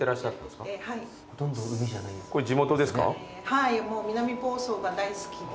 はい南房総が大好きで。